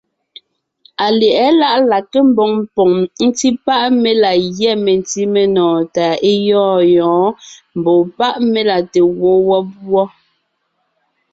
Alyɛ̌ʼɛ láʼ la nke mboŋ poŋ ńtí páʼ mé la gyɛ́ mentí menɔɔn tà é gyɔ̂ɔn yɔ̌ɔn, mbɔ̌ páʼ mé la te gwoon wɔ́b wɔ́.